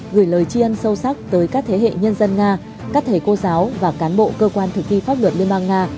gửi lời chi ân sâu sắc tới các thế hệ nhân dân nga các thầy cô giáo và cán bộ cơ quan thực thi pháp luật liên bang nga